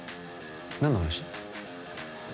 何の話？